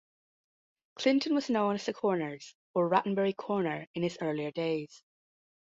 Clinton was known as "The Corners" or "Rattenbury Corner" in its earlier days.